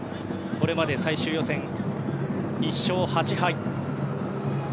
これまで最終予選１勝８敗。